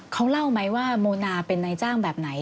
เขาเล่าไหมว่าโมนาเป็นนายจ้างแบบไหน